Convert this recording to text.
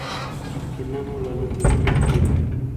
کینه مو له دننه خوري.